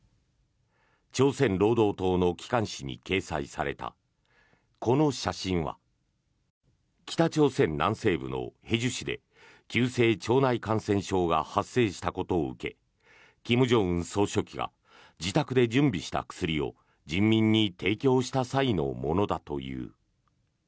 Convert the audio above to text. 朝鮮労働党の機関紙に掲載されたこの写真は北朝鮮南西部の海州市で急性腸内感染症が発生したことを受け金正恩総書記が自宅で準備した薬を人民に提供した際のものだという。